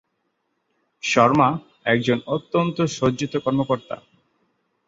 শর্মা একজন অত্যন্ত সজ্জিত কর্মকর্তা।